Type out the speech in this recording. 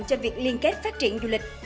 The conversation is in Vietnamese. cho việc liên kết phát triển du lịch